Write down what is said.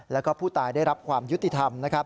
และผู้ตายได้รับความยุติธรรม